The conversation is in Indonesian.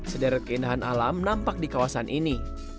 sederet keindahan alam nampak di kawasan ini